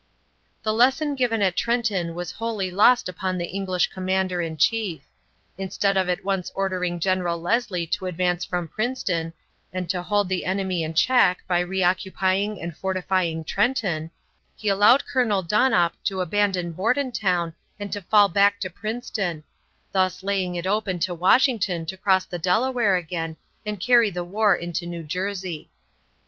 The lesson given at Trenton was wholly lost upon the English commander in chief. Instead of at once ordering General Leslie to advance from Princeton and to hold the enemy in check by reoccupying and fortifying Trenton, he allowed Colonel Donop to abandon Bordentown and to fall back to Princeton thus laying it open to Washington to cross the Delaware again and carry the war into New Jersey.